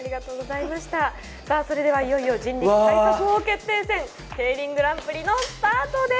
それでは、いよいよ人力最速王決定戦、ＫＥＩＲＩＮグランプリのスタートです！